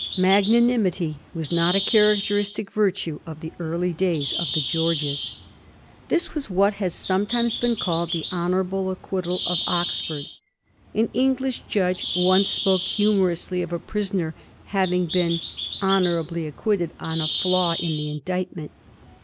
Magnanimity was not a characteristic virtue of the early days of the Georges. This was what has sometimes been called the honourable acquittal of Oxford. An English judge once spoke humorously of a prisoner having been * honourably acquitted on a flaw in the indictment.